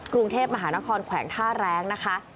กรุงเทพมหานครแขวงท่าแรงนะคะ